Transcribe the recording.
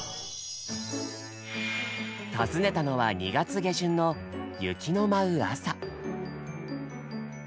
訪ねたのは２月下旬の雪の舞う朝。